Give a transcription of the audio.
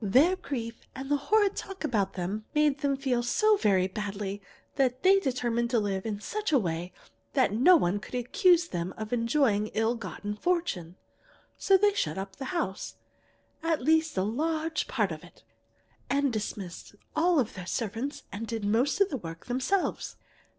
"Their grief and the horrid talk about them made them feel so very badly that they determined to live in such a way that no one could accuse them of enjoying an ill gotten fortune. So they shut up the house, at least a large part of it, and dismissed all their servants, and did most of the work themselves.